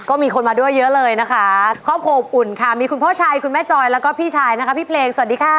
ก็มีคนมาด้วยเยอะเลยนะคะครอบครัวอบอุ่นค่ะมีคุณพ่อชัยคุณแม่จอยแล้วก็พี่ชายนะคะพี่เพลงสวัสดีค่ะ